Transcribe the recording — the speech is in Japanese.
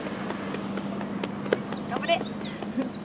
・頑張れ。